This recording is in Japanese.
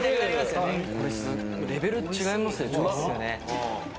これレベル違いますね。